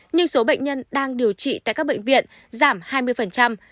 nhưng số bệnh nhân đang điều trị tại các bệnh viện giảm hai mươi